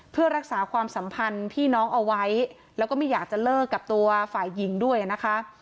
เพื่อรักษาความสัมพันธ์พี่น้องเอาไว้แล้วก็ไม่อยากจะเลิกกับตัวฝ่ายหญิงด้วยนะคะ